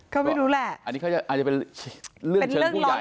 ก็ไม่รู้แหละอันนี้เขาอาจจะเป็นเรื่องเชิงผู้ใหญ่